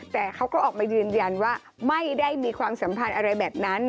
แต่เขาก็ออกมายืนยันว่าไม่ได้มีความสัมพันธ์อะไรแบบนั้น